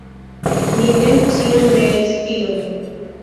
Li mem ĉiam neis tiun.